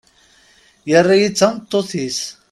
Yerra-iyi d tameṭṭut-is.